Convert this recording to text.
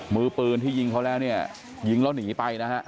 มือปืนที่ยิงเขาแล้วเนี่ยยิงแล้วหนีไปนะฮะ